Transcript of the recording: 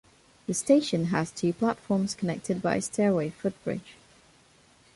The station has two platforms, connected by a stairway footbridge.